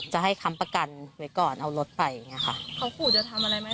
จะให้ค้ำประกันไว้ก่อนเอารถไปอย่างเงี้ค่ะเขาขู่จะทำอะไรไหม